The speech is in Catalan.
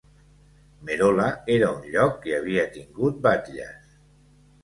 Merola era un lloc que havia tingut batlles.